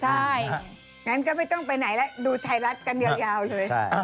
ใช่งั้นก็ไม่ต้องไปไหนแล้วดูไทยรัฐกันยาวเลย